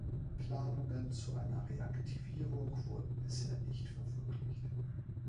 Planungen zu einer Reaktivierung wurden bisher nicht verwirklicht.